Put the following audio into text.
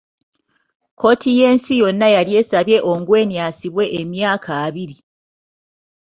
Kkooti y'ensi yonna yali asabye Ongwen asibwe emyaka abiiri.